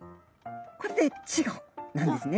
これで稚児なんですね。